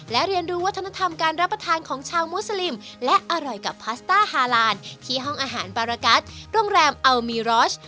และเรียนรู้วัฒนธรรมการรับประทานของชาวมุสลิมและอร่อยกับพาสต้าฮาลานที่ห้องอาหารบารกัสโรงแรมอัลมีรอช